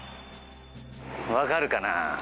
分かるかな。